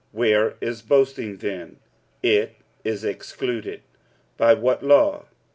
45:003:027 Where is boasting then? It is excluded. By what law?